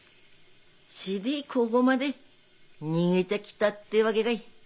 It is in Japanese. しでここまで逃げてきたってわけがい。